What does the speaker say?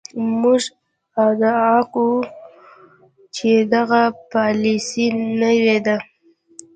موږ ادعا کوو چې دغه پالیسي نوې ده.